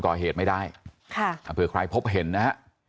ก่อเหตุไม่ได้ใครพบเห็นนะ